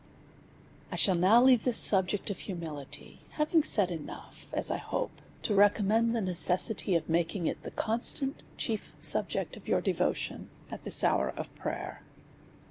I shall now leave this subject of humility ; having said enough, as I hope, to recommend the necessity Z6S A SERIOUS CALL TO A of making it the constant^ chief subject of your devo tion at this hour of prayer.